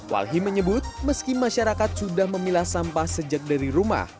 walhi menyebut meski masyarakat sudah memilah sampah sejak dari rumah